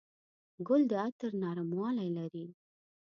ګل د عطر نرموالی لري.